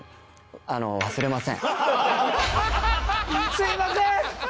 すいません！